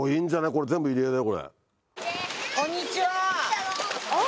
これ全部入り江だよ。